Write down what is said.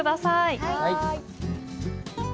はい。